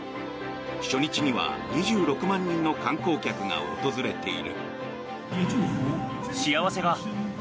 初日には２６万人の観光客が訪れている。